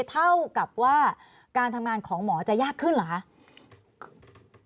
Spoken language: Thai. เท่ากับว่าการทำงานของหมอจะยากขึ้นเหรอคะ